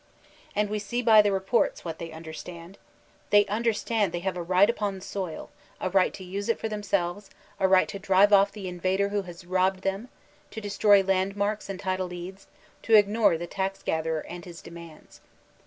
And we see by the re ports what they understand. They understand they have a right upon the soil, a right to use it for themselves, a right to drive off the invader who has robbed them, to destroy landmarks and title deeds, to ignore the tax gatherer and hb demands.